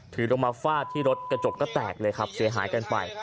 ลงมาฟาดที่รถกระจกก็แตกเลยครับเสียหายกันไป